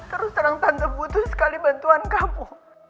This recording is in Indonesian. terus terang tante putus sekali bantuan kamu